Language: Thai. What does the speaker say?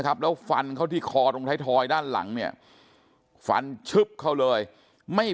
แล้วฟันเข้าที่คอตรงไทยทอยด้านหลังเนี่ยฟันชึบเขาเลยไม่